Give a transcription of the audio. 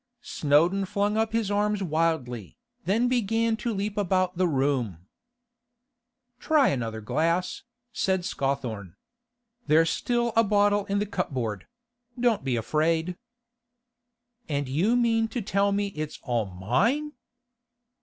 Snowdon flung up his arms wildly, then began to leap about the room. 'Try another glass,' said Scawthorne. 'There's still a bottle in the cupboard; don't be afraid.' 'And you mean to tell me it's all mine?